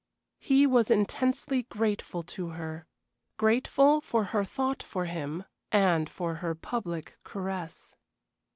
He was intensely grateful to her grateful for her thought for him and for her public caress.